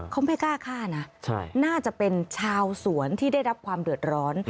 เขาไม่กล้าฆ่านะน่าจะเป็นชาวสวนที่ได้รับความเดือดร้อน